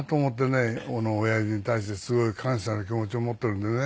親父に対してすごい感謝の気持ちを持っているんでね。